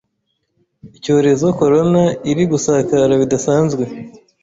icyorezo corona iri gusakara bidasanzwe